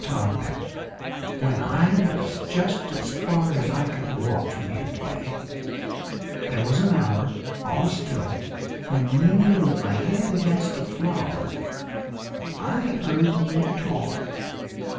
THE TELEPHONE "When I was just as far as I could walk From here to day, There was an hour All still When leaning with my head against a flower I heard you talk.